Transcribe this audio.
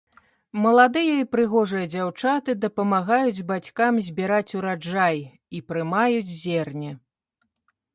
Маладыя і прыгожыя дзяўчаты дапамагаюць бацькам збіраць ураджай і прымаюць зерне.